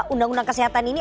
undang undang kesehatan ini